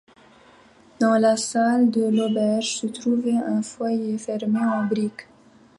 Dans la salle de l'auberge se trouvait un foyer fermé en briques.